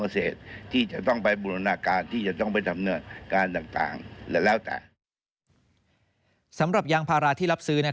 สำหรับยางพาราที่รับซื้อ